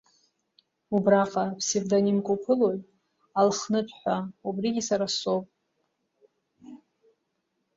Убраҟа ԥсевдонимк уԥылоит Алхнытә ҳәа, убригьы сара соуп.